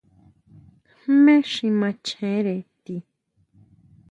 ¿Jmé xi machjere ti?